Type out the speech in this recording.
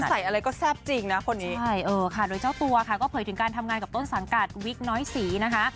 ใส่อะไรก็แซ่บจริงนะคนนี้ใช่เออค่ะโดยเจ้าตัวค่ะก็เผยถึงการทำงานกับต้นสังกัดวิกน้อยศรีนะคะ